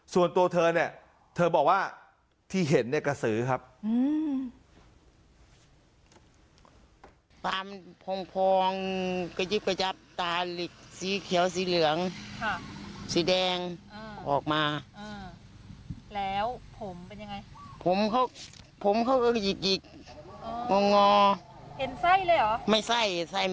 ส่วนตัวเธอเนี่ยเธอบอกว่าที่เห็นเนี่ยกระสือครับ